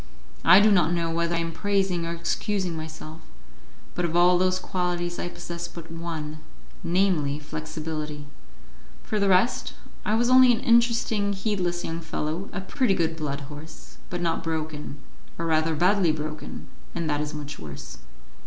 I do not know whether I am praising or excusing myself, but of all those qualities I possessed but one namely, flexibility; for the rest, I was only an interesting, heedless young fellow, a pretty good blood horse, but not broken, or rather badly broken; and that is much worse.